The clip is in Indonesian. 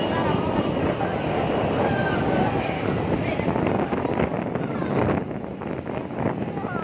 belum berani ke bawah